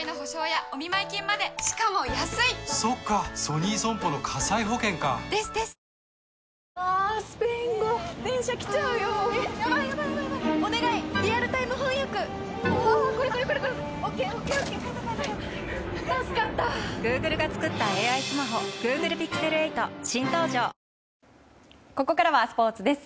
ニトリここからはスポーツです。